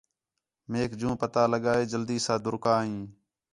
میک یوں پتہ لڳا ہے جلدی ساں ݙَر کا ہیں